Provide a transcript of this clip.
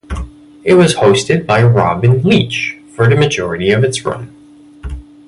It was hosted by Robin Leach for the majority of its run.